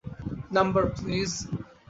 Number, please?